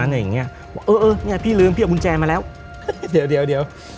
อะไรอย่างเงี้ยบอกเออเออเนี้ยพี่ลืมพี่เอากุญแจมาแล้วเดี๋ยวเดี๋ยว